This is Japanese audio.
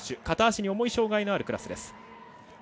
片足に重い障がいのあるクラスです。